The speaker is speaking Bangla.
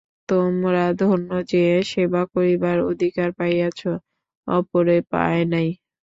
তোমরা ধন্য যে, সেবা করিবার অধিকার পাইয়াছ, অপরে পায় নাই।